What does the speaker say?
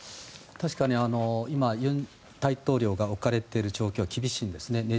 確かに今尹大統領が置かれている状況は厳しいんですね。